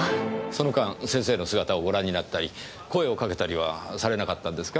その間先生の姿をご覧になったり声をかけたりはされなかったんですか？